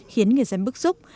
khiến người dân bức giúp